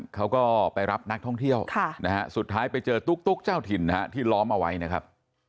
เขาก็ไปรับนักท่องเที่ยวสุดท้ายไปเจอตุ๊กเจ้าถิ่นที่ล้อมเอาไว้นะครับ